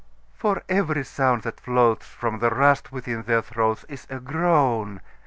For every sound that floatsFrom the rust within their throatsIs a groan.